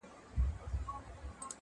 ټول جهان ورته تیاره سو لاندي باندي؛